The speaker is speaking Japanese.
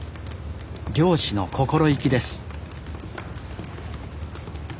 漁師の心意気です